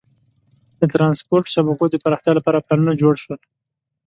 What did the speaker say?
د ترانسپورت شبکو د پراختیا لپاره پلانونه جوړ شول.